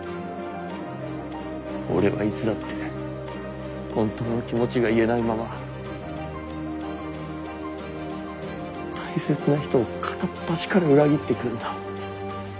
俺はいつだって本当の気持ちが言えないまま大切な人を片っ端から裏切ってくんだ。